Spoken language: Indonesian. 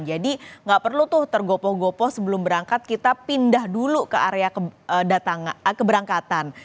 jadi nggak perlu tuh tergopo gopo sebelum berangkat kita pindah dulu ke area keberangkatan